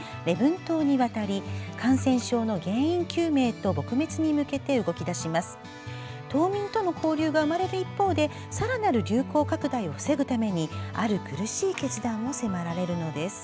島民との交流が生まれる一方で更なる流行拡大を防ぐためにある苦しい決断を迫られるのです。